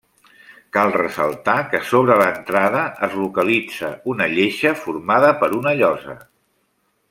Cal ressaltar que sobre l'entrada es localitza una lleixa formada per una llosa.